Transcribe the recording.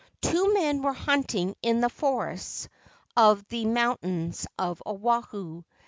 Two men were hunting in the forests of the mountains of Oahu.